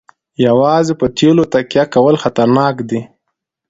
یوازې په تیلو تکیه کول خطرناک دي.